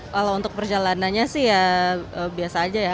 kalau untuk perjalanannya sih ya biasa aja ya